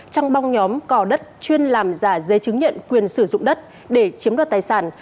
trong băng nhóm cò đất chuyên làm giả giấy chứng nhận quyền sử dụng đất để chiếm đoạt tài sản